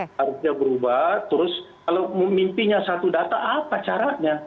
harusnya berubah terus kalau mimpinya satu data apa caranya